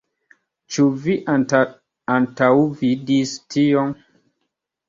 Ĉu vi antaŭvidis tion?